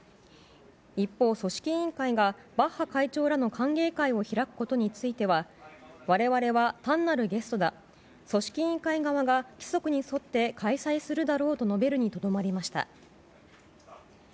一方、組織委員会がバッハ会長らの歓迎会を開くことについては我々は単なるゲストだ組織委員会側が規則に沿って開催するだろうと述べるにとどまりました。